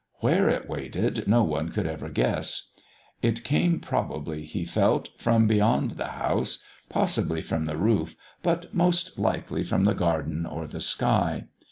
Where it waited no one could ever guess. It came probably, he felt, from beyond the house, possibly from the roof, but most likely from the garden or the sky.